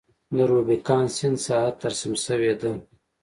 د روبیکان سیند ساحه ترسیم شوې ده.